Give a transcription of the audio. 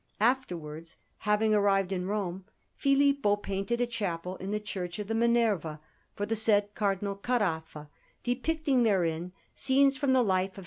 Afterwards, having arrived in Rome, Filippo painted a chapel in the Church of the Minerva for the said Cardinal Caraffa, depicting therein scenes from the life of S.